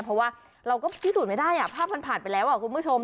เพราะว่าเราก็พิสูจน์ไม่ได้ภาพมันผ่านไปแล้วคุณผู้ชม